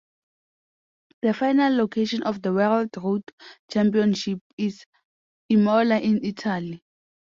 The final location of the World Road Championships is Imola in Italy.